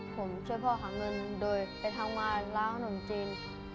ผมช่วยพ่อหาเงินโดยไปทำงานล้างขนมจีน